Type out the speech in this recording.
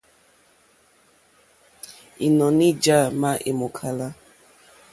Ínɔ̀ní já má èmòkála.